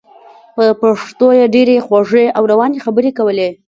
په پښتو یې ډېرې خوږې او روانې خبرې کولې.